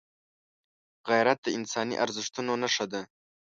غیرت د انساني ارزښتونو نښه ده